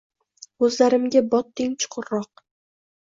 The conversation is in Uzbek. Koʼzlarimga botding chuqurroq.